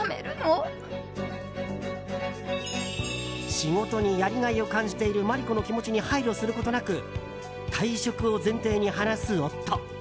仕事にやりがいを感じている真理子の気持ちに配慮することなく退職を前提に話す夫。